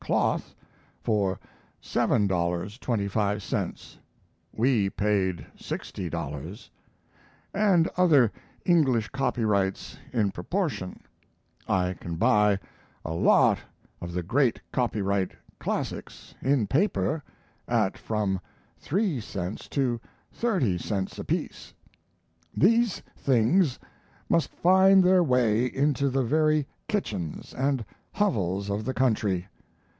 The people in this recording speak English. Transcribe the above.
cloth, for $7.25 (we paid $60), and other English copyrights in proportion; I can buy a lot of the great copyright classics, in paper, at from three cents to thirty cents apiece. These things must find their way into the very kitchens and hovels of the country.